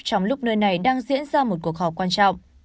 trong lúc nơi này đang diễn ra một cuộc họp quan trọng